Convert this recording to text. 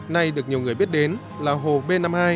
nay được nhiều người biết đến là hồ b năm mươi hai